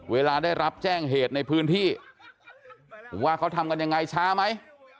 เวลาได้รับแจ้งเหตุในพื้นที่ว่าเขาทำกันยังไงช้าไหม